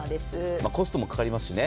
コストもかかりますしね。